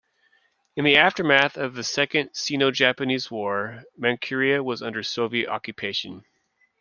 In the aftermath of the Second Sino-Japanese War, Manchuria was under Soviet occupation.